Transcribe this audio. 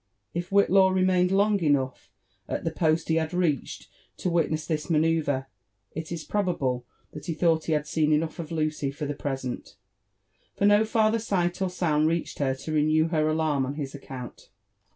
If Whitlaw remained long enough at the post he had. reached to witness this manoeuvre, it is probable that he thought he had seea enough of Lucy for the present ; for no farther sight or sound reached her to renew her alarm on his account.